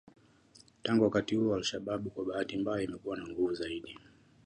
Tangu wakati huo alShabab kwa bahati mbaya imekuwa na nguvu zaidi